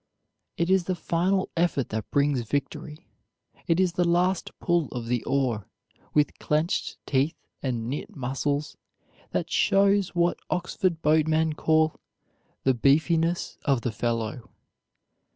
It is the final effort that brings victory. It is the last pull of the oar, with clenched teeth and knit muscles, that shows what Oxford boatmen call "the beefiness of the fellow."